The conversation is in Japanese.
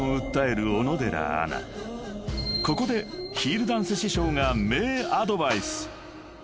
［ここでヒールダンス師匠が名アドバイス］